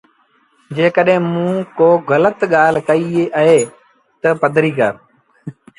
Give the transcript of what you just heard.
جيڪڏهينٚ موٚنٚ ڪو گلت ڳآل ڪئيٚ اهي تا پدريٚ ڪر۔